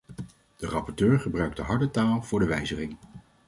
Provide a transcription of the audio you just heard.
De rapporteur gebruikte harde taal voor de wijziging.